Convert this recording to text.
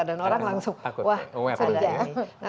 dan orang langsung wah sedih